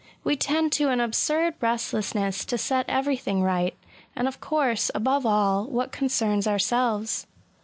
We tend to an absurd restlessness to set everything right; and of course, above all, what concerns ourselves.